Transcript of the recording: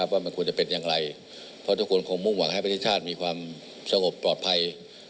ว่ามันควรจะเป็นอย่างไรเพราะทุกคนคงมุ่งหวังให้ประเทศชาติมีความสงบปลอดภัย